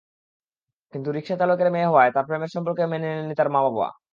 কিন্তু রিকশাচালকের মেয়ে হওয়ায় তাঁদের প্রেমের সম্পর্ক মেনে নেননি তাঁর মা-বাবা।